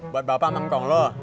buat bapak sama untuk lo